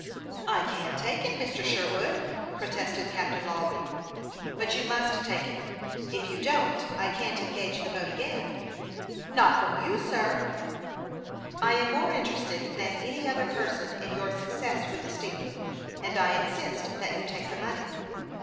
" I can't take it, Mr. Sherwood," protested Captain Lawry. " But you must take it ; if you don't I can't engage the boat again." " Not from you, sir." " I am more interested than any other person in 21* 246 HASTE AXD WASTE, OK your success with the steamer, and I insist that you take the money."